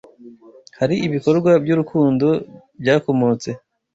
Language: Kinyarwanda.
hari ibikorwa by’urukundo byakomotse